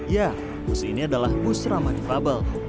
ya bus ini adalah bus ramah di fabel